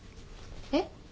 えっ？